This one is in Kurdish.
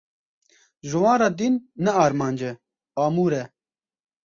Ji wan re dîn ne armanc e, amûr e.